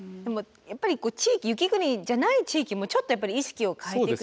やっぱり地域雪国じゃない地域もちょっとやっぱり意識を変えていく必要があるってことですね。